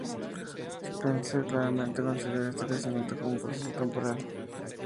Spencer claramente considera este crecimiento como un proceso temporal.